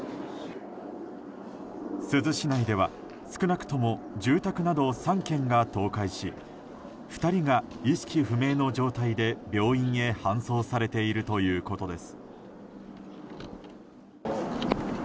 珠洲市内では少なくとも住宅など３軒が倒壊し２人が意識不明の状態で、病院へ搬送されているということです。